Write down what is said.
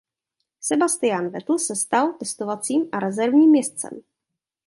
Sebastian Vettel se stal testovacím a rezervním jezdcem.